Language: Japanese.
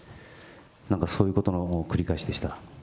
なんかそういうことの繰り返しでした。